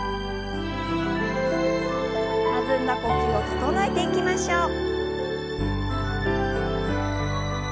弾んだ呼吸を整えていきましょう。